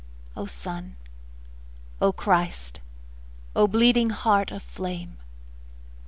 O Sun, O Christ, O bleeding Heart of flame!